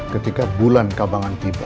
ketika bulan kabangan tiba